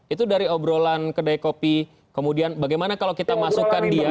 itu dari obrolan kedai kopi kemudian bagaimana kalau kita masukkan dia